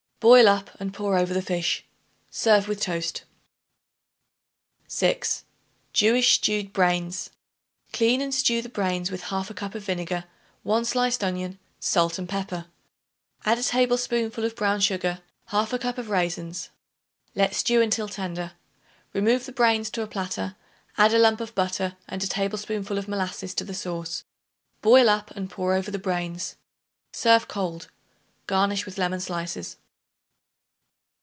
Boil up and pour over the fish. Serve with toast. 6. Jewish Stewed Brains. Clean and stew the brains with 1/2 cup of vinegar, 1 sliced onion, salt and pepper. Add a tablespoonful of brown sugar, 1/2 cup of raisins. Let stew until tender. Remove the brains to a platter; add a lump of butter and a tablespoonful of molasses to the sauce; boil up and pour over the brains. Serve cold; garnish with lemon slices.